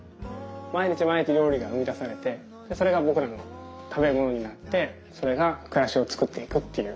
毎日毎日料理が生み出されてそれがぼくらの食べ物になってそれが暮らしをつくっていくっていう。